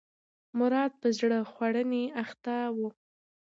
مراد په زړه خوړنې اخته و.